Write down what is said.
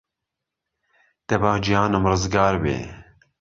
دەبا گیانم رزگار بێ